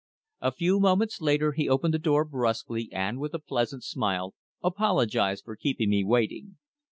A few moments later he opened the door brusquely and with a pleasant smile apologized for keeping me waiting.